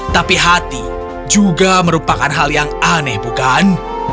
tapi hati juga merupakan hal yang aneh bukan